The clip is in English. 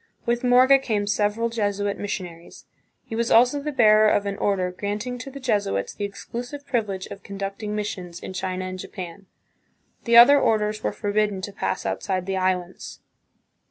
With Morga came several Jesuit missionaries. He was also the bearer of an order granting to the Jesuits the exclu sive privilege of conducting missions in China and Japan. The other orders were forbidden to pass outside the Islands.